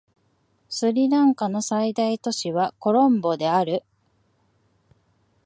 スリランカの最大都市はコロンボである